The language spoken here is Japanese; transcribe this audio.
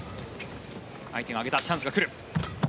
相手が上げた、チャンスが来る。